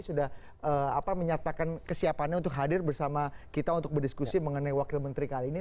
sudah menyatakan kesiapannya untuk hadir bersama kita untuk berdiskusi mengenai wakil menteri kali ini